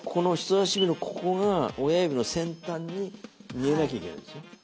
人差し指のここが親指の先端に見えなきゃいけないんですよ。